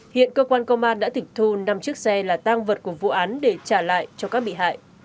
hiện cơ quan công an đã tịch thu năm chiếc xe là tang vật của vụ án để trả lại cho các bị hại